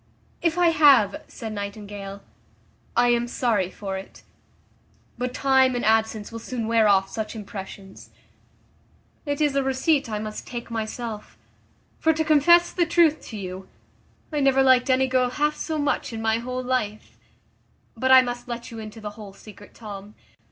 "If I have," said Nightingale, "I am sorry for it; but time and absence will soon wear off such impressions. It is a receipt I must take myself; for, to confess the truth to you I never liked any girl half so much in my whole life; but I must let you into the whole secret, Tom.